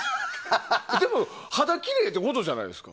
でも、肌がきれいってことじゃないですか。